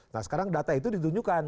nah sekarang data itu ditunjukkan